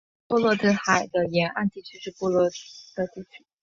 波罗的海的沿岸地区是波罗的地区。